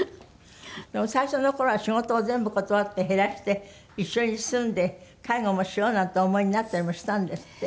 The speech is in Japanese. でも最初の頃は仕事を全部断って減らして一緒に住んで介護もしようなんてお思いになったりもしたんですって？